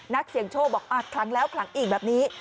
นักเสี่ยงโชคบอกคลังแล้วคลังอีกแบบนี้